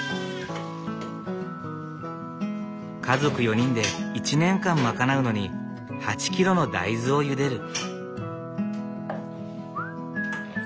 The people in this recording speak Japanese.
家族４人で１年間賄うのに８キロの大豆をゆでる。